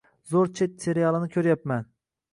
Zo‘r chet serialini ko‘ryapman.